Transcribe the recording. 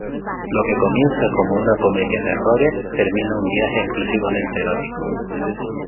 Lo que comienza como una comedia de errores termina un viaje exclusivamente erótico.